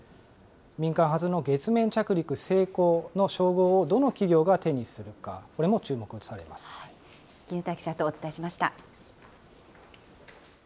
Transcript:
民間初の月面着陸成功の称号をどの企業が手にするか、これも注目絹田記者とお伝えしました。